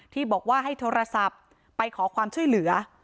ที่บอกว่าให้โทรศัพท์ไปขอความช่วยเหลือ